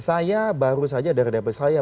saya baru saja dari dapil saya